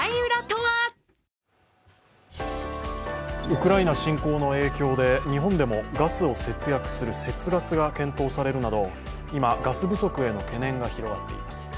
ウクライナ侵攻の影響で日本でもガスを制約する節ガスが検討されるなど今、ガス不足への懸念が広がっています。